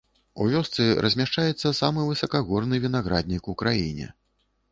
У вёсцы размяшчаецца самы высакагорны вінаграднік у краіне.